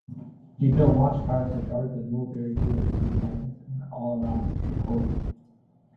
He built watchtowers to guard the mulberry groves he planted in and around Tripoli.